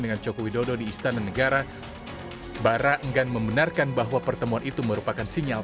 dengan jokowi dodo di istana negara barra enggan membenarkan bahwa pertemuan itu merupakan sinyal